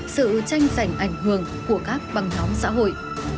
sự tranh giành ảnh hưởng của các băng nhóm xã hội